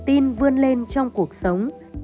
có thêm niềm tin vươn lên trong cuộc sống